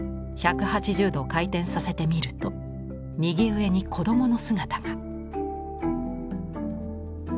１８０度回転させてみると右上に子どもの姿が。